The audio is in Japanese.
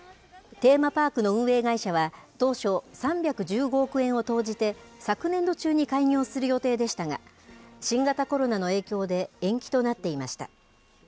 テーマパークの運営会社は、当初、３１５億円を投じて、昨年度中に開業する予定でしたが、新型コロナの影響で、延期となっていました。